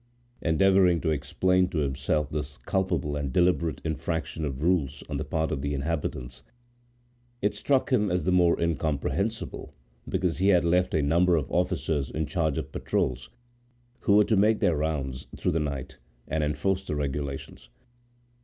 Endeavoring to explain to himself this culpable and deliberate infraction of rules on the part of the inhabitants, it struck him as the more incomprehensible because he had left a number of officers in charge of patrols who were to make their rounds during the night, and enforce the regulations.